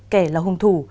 kẻ là hùng thủ